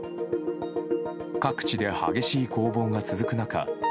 各地で激しい攻防が続く中